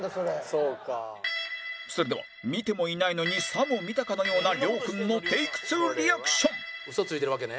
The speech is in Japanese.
それでは見てもいないのにさも見たかのような亮君の ＴＡＫＥ２ リアクション